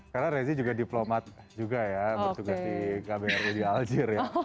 karena rezi juga diplomat juga ya bertugas di kbri di aljir ya